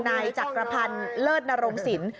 นายจักรพรรณเลอร์ดนโรมศิลป์